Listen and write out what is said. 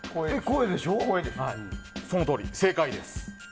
そのとおり、正解です。